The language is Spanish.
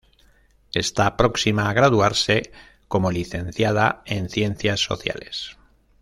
Está próxima a graduarse como Licenciada en Ciencias Sociales.